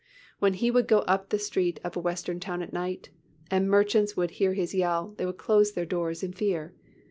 When he would go up the street of a Western town at night, and merchants would hear his yell, they would close their doors in fear.